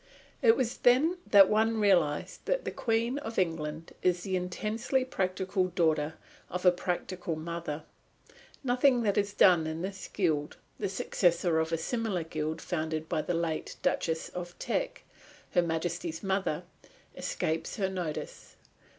It was then that one realised that the Queen of England is the intensely practical daughter of a practical mother. Nothing that is done in this Guild, the successor of a similar guild founded by the late Duchess of Teck, Her Majesty's mother, escapes her notice.